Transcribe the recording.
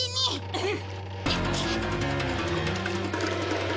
うん？